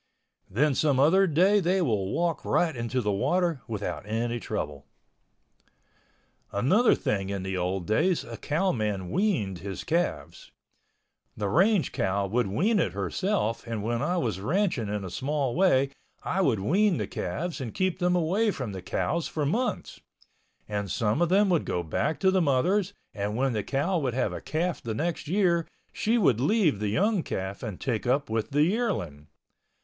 Then some other day they will walk right into the water without any trouble. Another thing in the old days a cowman weaned his calves. The range cow would wean it herself and when I was ranching in a small way I would wean the calves and keep them away from the cows for months, and some of them would go back to the mothers and when the cow would have a calf the next year she would leave the young calf and take up with the yearling.